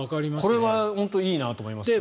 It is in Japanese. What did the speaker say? これは本当にいいなと思いますね。